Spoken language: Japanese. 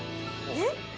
えっ？